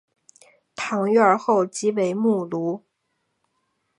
堂院后即为墓庐。